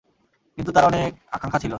কিন্তু তার অনেক আকাঙ্খা ছিল।